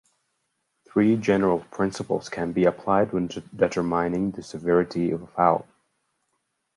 Three general principles can be applied when determining the severity of a foul.